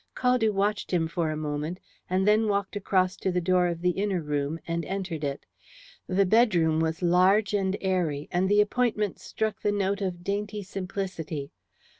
Caldew watched him for a moment, and then walked across to the door of the inner room and entered it. The bedroom was large and airy, and the appointments struck the note of dainty simplicity.